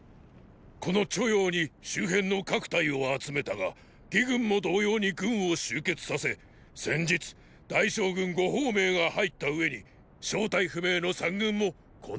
この“著雍”に周辺の各隊を集めたが魏軍も同様に軍を集結させ先日大将軍呉鳳明が入った上に正体不明の三軍もこの地に到着した。